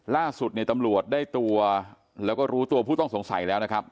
ล่าสุดเนี่ยตำรวจได้ตัวแล้วก็รู้ตัวผู้ต้องสงสัยแล้วนะครับ